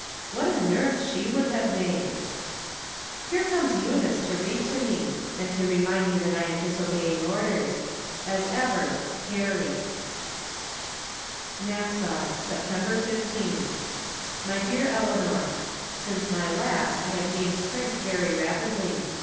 What a nurse she would have made ! Here comes Eunice to read to me, and to re mind me that I am disobeying orders. As ever, Peeey. From Different Standpoints. 71 Nassatt, September 15. My Bear Eleanor : Since my last I have gained strength very rap idly.